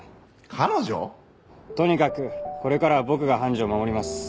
とにかくこれからは僕が判事を守ります。